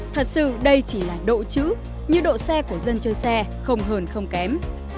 thật sự đây chỉ là độ chữ như độ xe của dân chơi xe không hờn không kém